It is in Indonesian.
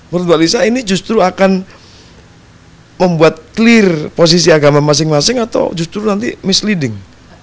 menurut mbak lisa ini justru akan membuat clear posisi agama masing masing atau justru nanti misleading